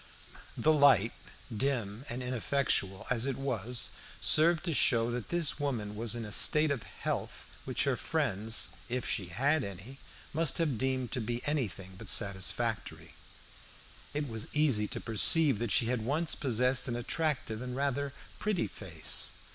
The light, dim and ineffectual as it was, served to show that this woman was in a state of health which her friends, if she had any, must have deemed to be anything but satisfactory. It was easy to perceive that she had once possessed an attractive and rather pretty face.